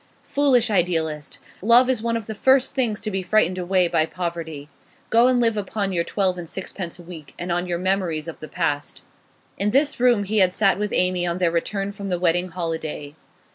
Foolish idealist! Love is one of the first things to be frightened away by poverty. Go and live upon your twelve and sixpence a week, and on your memories of the past.' In this room he had sat with Amy on their return from the wedding holiday.